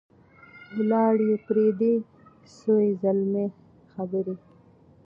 ولاړې پردۍ سوې زلمۍ خبري